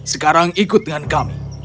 sekarang ikut dengan kami